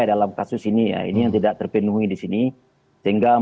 ngak mam atal jumatkuremos temukan kosong